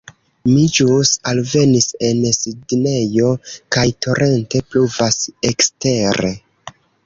Mi ĵus alvenis en Sidnejo kaj torente pluvas ekstere